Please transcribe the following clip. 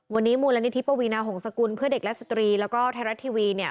วันนี้มูลนิธิปวีนาห่งสกุลเพื่อเด็กและสตรีและไทยรัฐทีวี